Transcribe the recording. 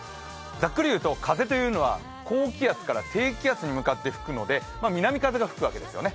ざっくりいうと風というのは高気圧から低気圧に向けて吹くので南風が吹くわけですよね。